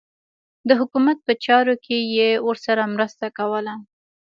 د حکومت په چارو کې یې ورسره مرسته کوله.